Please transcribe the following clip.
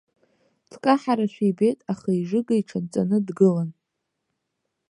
Дкаҳарашәа ибеит, аха ижыга иҽанҵаны дгылан.